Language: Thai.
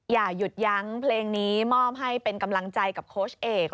อย่าหยุดยั้งเพลงนี้มอบให้เป็นกำลังใจกับโค้ชเอก